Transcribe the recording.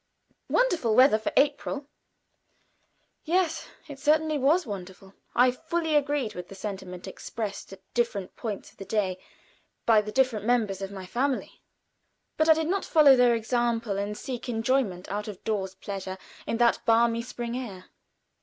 "Wonderful weather for April!" Yes, it certainty was wonderful. I fully agreed with the sentiment expressed at different periods of the day by different members of my family; but I did not follow their example and seek enjoyment out of doors pleasure in that balmy spring air.